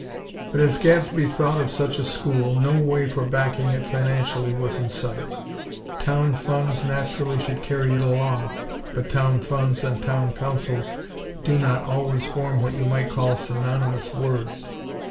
But as Gadsby thought of such a school, no way for backing it financially was in sight. Town funds naturally, should carry it along; but town funds and Town Councils do not always form what you might call synonymous words.